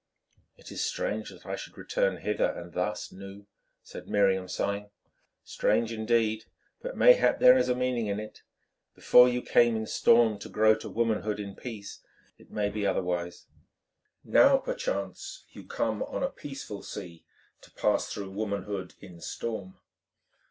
"It is strange that I should return hither, and thus, Nou," said Miriam sighing. "Strange, indeed, but mayhap there is a meaning in it. Before you came in storm to grow to womanhood in peace; now, perchance, you come on a peaceful sea to pass through womanhood in storm."